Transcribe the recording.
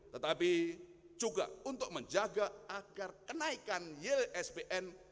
tetapi juga untuk menjaga agar kenaikan yield spn